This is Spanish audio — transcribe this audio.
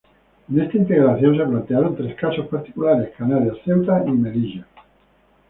En esta integración se plantearon tres casos particulares, Canarias, Ceuta y Melilla.